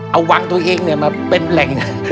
เอาวังตัวเองมาเป็นแหล่ง